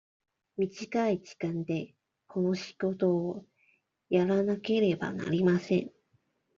短い時間でこの仕事をやらなければなりません。